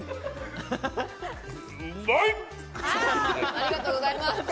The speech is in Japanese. ありがとうございます。